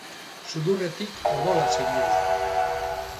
Sudurretik odola zeriola.